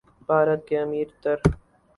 بھارت کے امیر تر